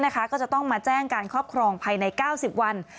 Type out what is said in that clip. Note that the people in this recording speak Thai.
ก็จะต้องมาแจ้งการครอบครองภายใน๙๐วัน